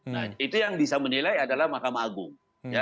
nah itu yang bisa menilai adalah mahkamah agung